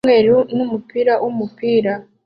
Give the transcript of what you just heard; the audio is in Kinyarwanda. yumweru numupira wumupira